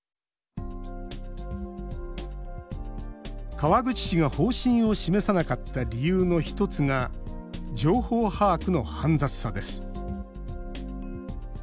川口市が方針を示さなかった理由の１つが情報把握の煩雑さです。